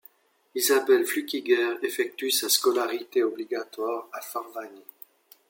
Isabelle Flükiger effectue sa scolarité obligatoire à Farvagny.